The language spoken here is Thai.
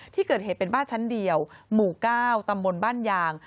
ที่เกิดเหตุเป็นบ้านชั้นเดียวหมู่๙ตำบลบ้านยาง